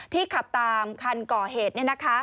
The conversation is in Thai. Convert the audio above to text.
ขับตามคันก่อเหตุ